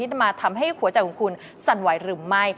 จะมาทำให้หัวใจของคุณสั่นไหวหรือไม่